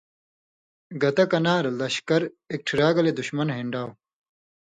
گتہ کَنار (لشکر) اېکٹھِرا گلے دُشمن ہِن٘ڈاؤ۔